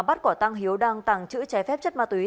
bắt quả tăng hiếu đang tàng trữ trái phép chất ma túy